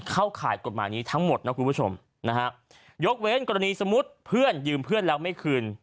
ข่ายกฎหมายนี้ทั้งหมดนะคุณผู้ชมนะฮะยกเว้นกรณีสมมุติเพื่อนยืมเพื่อนแล้วไม่คืน